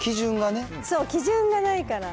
そう、基準がないから。